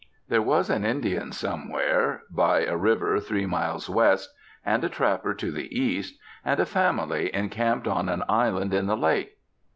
There was an Indian somewhere, by a river three miles west, and a trapper to the east, and a family encamped on an island in the lake.